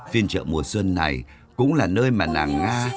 phiên chợ mùa xuân này cũng là nơi mà nà nàng nga